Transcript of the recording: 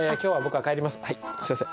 はいすいません。